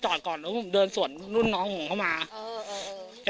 ออกไปผมก็หาไม่เจอ